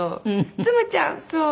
つむちゃんそう。